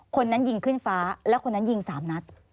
คนนั้นยิงขึ้นฟ้าแล้วคนนั้นยิง๓นัด